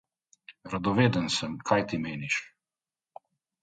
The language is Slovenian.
Radoveden sem, kaj ti meniš!